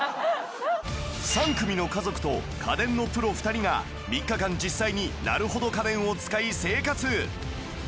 ３組の家族と家電のプロ２人が３日間実際になるほど家電を使い生活